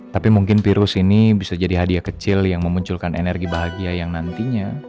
tapi mungkin virus ini bisa jadi hadiah kecil yang memunculkan energi bahagia yang nantinya